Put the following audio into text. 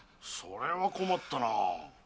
それは困ったなあ。